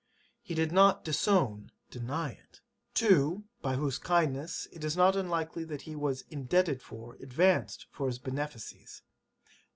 He did not [disown] deny it. '[To] by whose kindness it is not unlikely that he was [indebted for] advanced to his benefices.